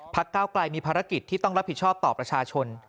ก้าวไกลมีภารกิจที่ต้องรับผิดชอบต่อประชาชน